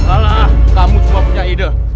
alah kamu cuma punya ide